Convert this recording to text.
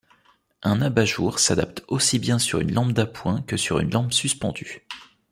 Un abat-jour s'adapte aussi bien sur une lampe d'appoint que sur une lampe suspendue.